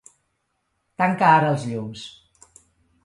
Tanca ara els llums.